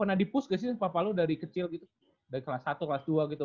gak dipus gak sih papa lu dari kecil gitu dari kelas satu kelas dua gitu